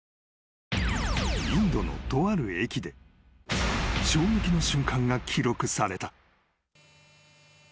［インドのとある駅で衝撃の瞬間が記録された］